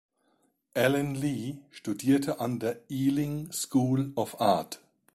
Alan Lee studierte an der "Ealing School of Art".